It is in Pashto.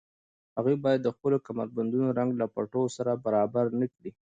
هغوی باید د خپلو کمربندونو رنګ له بټوو سره برابر نه کړي